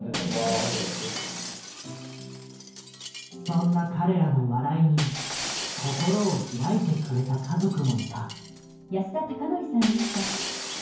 そんな彼らの笑いに心を開いてくれた家族もいた。